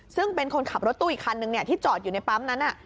ซึ่งเป็นคนขับรถตู้อีกคันนึงที่จอดอยู่ในปั๊มนั้น